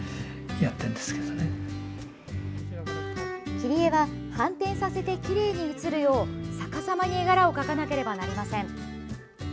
切り絵は反転させてきれいに写るよう逆さまに絵柄を描かなければなりません。